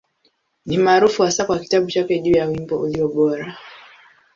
Ni maarufu hasa kwa kitabu chake juu ya Wimbo Ulio Bora.